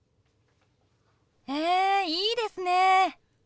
へえいいですね。